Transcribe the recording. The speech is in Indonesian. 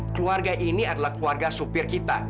keluarga ini adalah keluarga supir kita